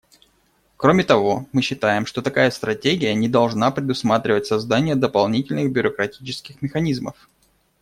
Кроме того, мы считаем, что такая стратегия не должна предусматривать создание дополнительных бюрократических механизмов.